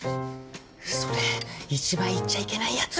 それ一番言っちゃいけないやつ。